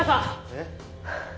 えっ？